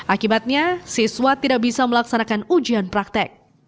akibatnya siswa tidak bisa melaksanakan ujian praktek